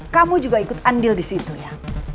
kamu juga ikut andil disitu ya